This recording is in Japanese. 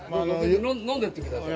飲んでってください。